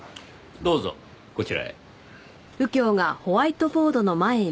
どうぞこちらへ。